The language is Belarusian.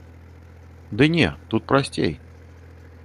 Ды не, тут прасцей.